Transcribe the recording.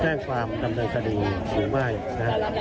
แจ้งความจำเนินสถาดีหรือมาก